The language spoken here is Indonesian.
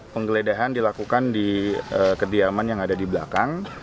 penggeledahan dilakukan di kediaman yang ada di belakang